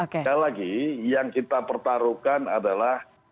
sekali lagi yang kita pertaruhkan adalah